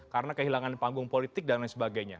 karena kehilangan panggung politik dan lain sebagainya